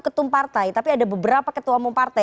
ketumpartai tapi ada beberapa ketua umum partai